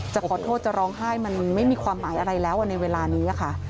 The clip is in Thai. จะขอโทษจะร้องไห้มันไม่มีความหมายอะไรแล้วในเวลานี้ค่ะ